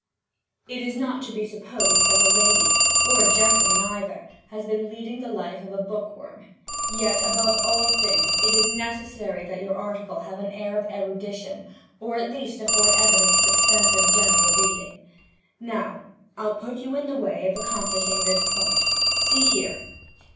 It is not to be supposed that a lady, or gentleman either, has been leading the life of a book worm. And yet above all things it is necessary that your article have an air of erudition, or at least afford evidence of extensive general reading. Now I'll put you in the way of accomplishing this point. See here!"